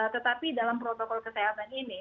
tetapi dalam protokol kesehatan ini